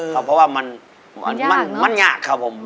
ครับเพราะว่ามันยากครับผม